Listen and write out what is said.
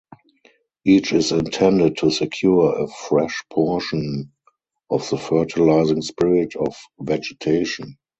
Each is intended to secure a fresh portion of the fertilizing spirit of vegetation.